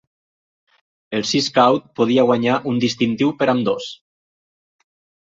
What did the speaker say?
El Sea Scout podria guanyar un distintiu per ambdós.